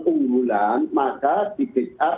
unggulan maka di pick up